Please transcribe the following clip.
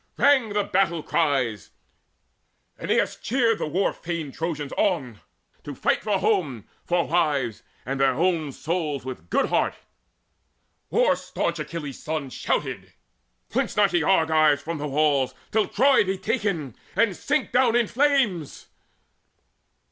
Rang the battle cries: Aeneas cheered the war fain Trojans on To fight for home, for wives, and their own souls With a good heart: war staunch Achilles' son Shouted: "Flinch not, ye Argives, from the walls, Till Troy be taken, and sink down in flames!"